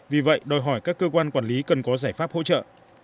vì vậy đòi hỏi các cơ quan quản lý cần có giải pháp hỗ trợ